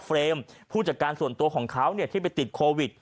เฟรมผู้จัดการส่วนตัวของเขาที่ไปติดโควิด